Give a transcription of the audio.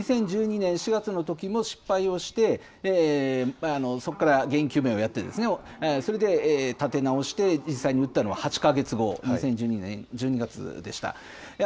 ２０１２年４月のときも失敗をして、そこから原因究明をやって、それで立て直して、実際に撃ったのは８か月後、２０１２年１２月でした。